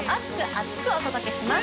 厚く！お届けします。